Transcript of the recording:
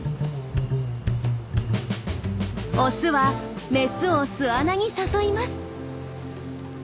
オスはメスを巣穴に誘います。